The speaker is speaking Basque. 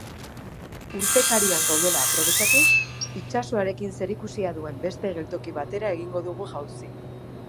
Urpekarian gaudela aprobetxatuz, itsasoarekin zerikusia duen beste geltoki batera egingo dugu jauzi.